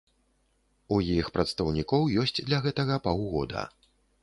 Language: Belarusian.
У іх прадстаўнікоў ёсць для гэтага паўгода.